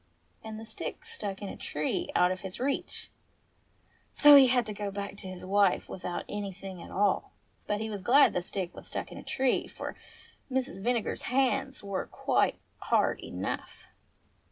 And the stick stuck in a tree out of his reach ; so he had to go back to his wife without any thing at all. But he was glad the stick had stuck in a tree, for Mrs. Vinegar's hands were quite hard enough.